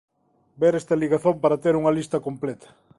Ver esta ligazón para ter unha lista completa.